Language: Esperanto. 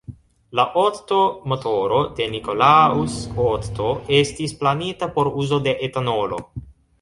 La Otto-motoro de Nikolaus Otto estis planita por uzo de etanolo.